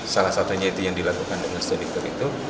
salah satunya itu yang dilakukan dengan streduktor itu